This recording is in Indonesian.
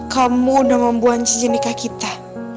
kamu udah membuang cincin nikah kita